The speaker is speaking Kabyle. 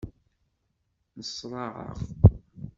Nneṣṛaɛeɣ.